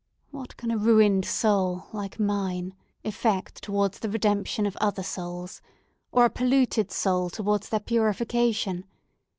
What can a ruined soul like mine effect towards the redemption of other souls?—or a polluted soul towards their purification?